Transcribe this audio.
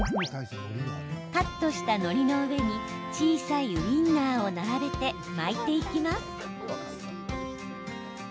カットした、のりの上に小さいウインナーを並べて巻いていきます。